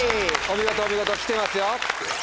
お見事お見事来てますよ！